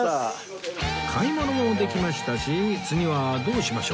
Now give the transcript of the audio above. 買い物もできましたし次はどうしましょう？